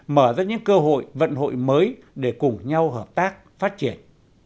mở ra những cơ hội vận hội mới để cùng nhau hợp tác phát triển